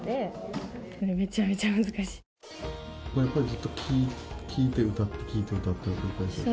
やっぱりずっと聴いて歌って聴いて歌っての繰り返しですか？